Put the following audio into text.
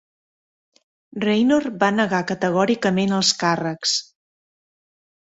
Raynor va negar categòricament els càrrecs.